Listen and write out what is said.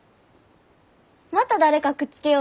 また誰かくっつけようとしたん？